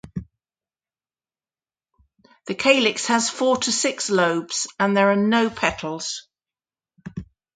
The calyx has four to six lobes and there are no petals.